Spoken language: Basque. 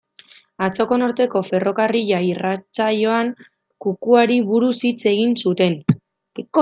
Atzoko Norteko Ferrokarrila irratsaioan, kukuari buruz hitz egin zuten.